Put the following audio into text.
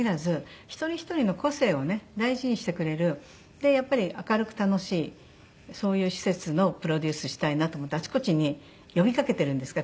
でやっぱり明るく楽しいそういう施設のプロデュースしたいなと思ってあちこちに呼びかけてるんですが。